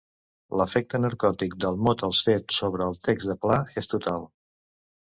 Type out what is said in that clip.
L'efecte narcòtic del mot al set sobre el text de Pla és total.